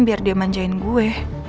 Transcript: biar dia manjain gue